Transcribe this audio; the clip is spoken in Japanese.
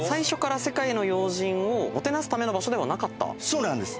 そうなんです。